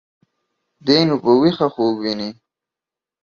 دى نو په ويښه خوب ويني.